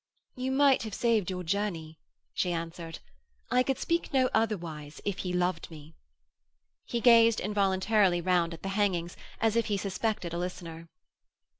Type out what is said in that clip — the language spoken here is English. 'You might have saved your journey,' she answered. 'I could speak no otherwise if he loved me.' He gazed involuntarily round at the hangings as if he suspected a listener.